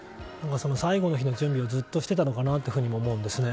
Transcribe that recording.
最後の日の準備をずっとしてたのかなとも思うんですね。